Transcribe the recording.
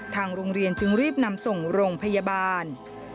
ทางโรงเรียนจึงรีบนำส่งโรงพยาบาล